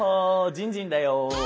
じんじんだよ。